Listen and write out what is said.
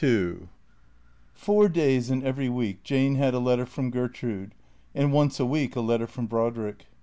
LXII FOUE days in every week Jane had a letter from Gertrude and once a week a letter from Brodrick.